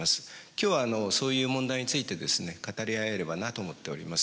今日はそういう問題についてですね語り合えればなと思っております。